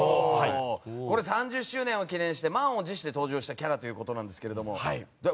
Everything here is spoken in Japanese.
これ３０周年を記念して満を持して登場したキャラクターということですが。